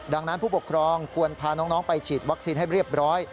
ดังนั้นผู้ปกครองควรพาน้องไปฉีดวัคซีนให้เรียบร้อย